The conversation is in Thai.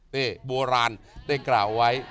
เต้โบราณเต้กล่าวไว้